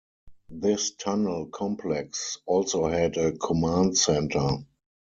This tunnel complex also had a command centre.